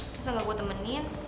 bisa gak gue temenin